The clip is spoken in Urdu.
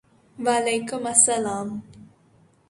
وعلیکم السلام ！